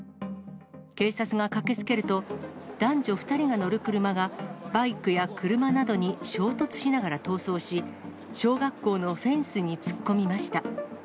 警察が駆けつけると、男女２人が乗る車がバイクや車などに衝突しながら逃走し、小学校のフェンスに突っ込みました。